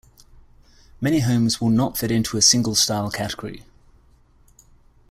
Many homes will not fit into a single style category.